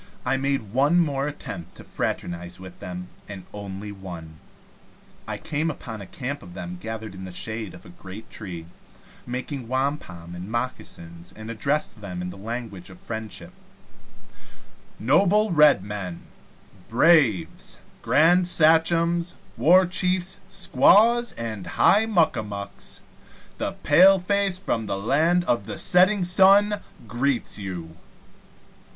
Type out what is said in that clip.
I made one more attempt to fraternize with them, and only one. I came upon a camp of them gathered in the shade of a great tree, making wampum and moccasins, and addressed them in the language of friendship: "Noble Red Men, Braves, Grand Sachems, War Chiefs, Squaws, and High Muck a Mucks, the paleface from the land of the setting sun greets you!